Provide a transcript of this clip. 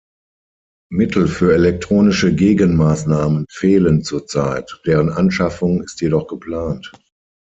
Mittel für elektronische Gegenmaßnahmen fehlen zurzeit, deren Anschaffung ist jedoch geplant.